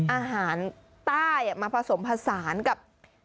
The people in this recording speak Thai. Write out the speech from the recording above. อาหารใต้มาผสมผสานกับ